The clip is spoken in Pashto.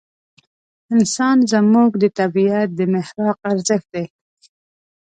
انسان زموږ د طبعیت د محراق ارزښت دی.